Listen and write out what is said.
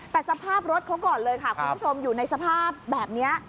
แต่สภาพรถเขาก่อนเลยค่ะคุณผู้ชมอยู่ในสภาพแบบนี้